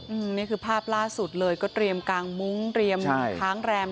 อืมนี่คือภาพล่าสุดเลยก็เตรียมกางมุ้งเตรียมค้างแรม